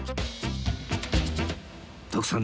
徳さん